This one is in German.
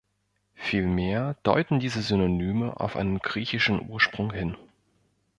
Vielmehr deuten diese Synonyme auf einen griechischen Ursprung hin.